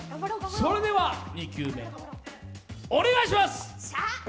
それでは２球目、お願いします！